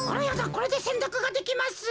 これでせんたくができます。